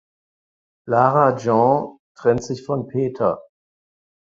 Lara Jean trennt sich von Peter.